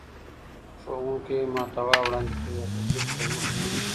ښوونکی محتوا وړاندي کوي او تدريس پرمخ ځي.